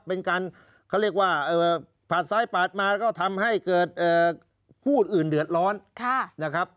เป็นการเขาเรียกว่าปาดซ้ายปาดมาก็ทำให้เกิดผู้อื่นเดือดร้อนนะครับ